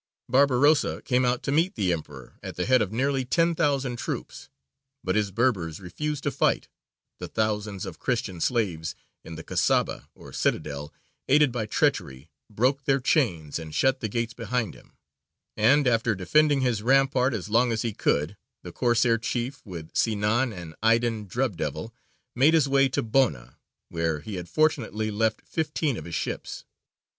Barbarossa came out to meet the emperor at the head of nearly ten thousand troops; but his Berbers refused to fight, the thousands of Christian slaves in the Kasaba (or citadel), aided by treachery, broke their chains and shut the gates behind him; and, after defending his rampart as long as he could, the Corsair chief, with Sinān and Aydīn "Drub Devil," made his way to Bona, where he had fortunately left fifteen of his ships.